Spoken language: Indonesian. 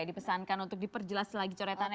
dipesankan untuk diperjelas lagi coretannya